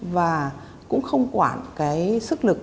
và cũng không quản cái sức lực